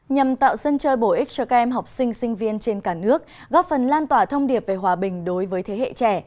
nhằm tạo sân chơi bổ ích cho các em học sinh sinh viên trên cả nước góp phần lan tỏa thông điệp về hòa bình đối với thế hệ trẻ